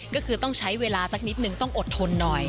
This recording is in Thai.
ก็คือต้องใช้เวลาสักนิดนึงต้องอดทนหน่อย